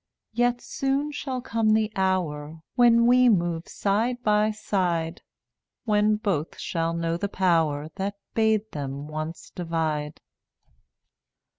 Yet soon shall come the hour When we move side by side, When both shall know the Power That bade them once divide.